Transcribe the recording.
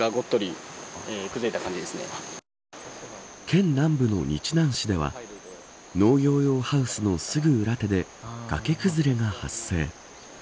県南部の日南市では農業用ハウスのすぐ裏手で崖崩れが発生。